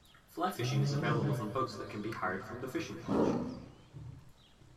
Fly fishing is available from boats that can be hired from the Fishing Lodge.